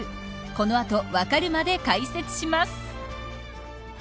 この後、わかるまで解説します。